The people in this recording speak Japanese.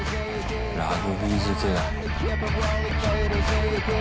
ラグビーづけだ。